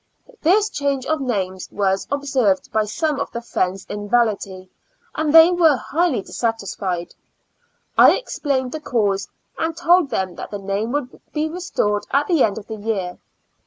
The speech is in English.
This change of names was observed by some of the friends in Valatie, and they were highly dissatisfied. I explained the cause, and told them that the name would be restored at the end of the year.